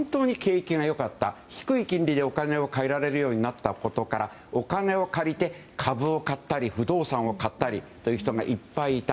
低い金利でお金をかえられるようになったことからお金を借りて株を買ったり不動産を買ったりという人がいっぱいいた。